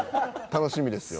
楽しみですよ。